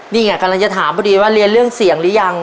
นี่ไงกำลังจะถามพอดีว่าเรียนเรื่องเสียงหรือยัง